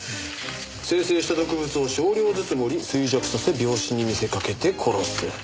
「生成した毒物を少量ずつ盛り衰弱させ病死に見せかけて殺す」。